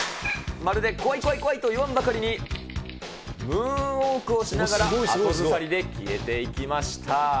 まるで怖い、怖い、怖いと言わんばかりに、ムーンウォークをしながら後ずさりで消えていきました。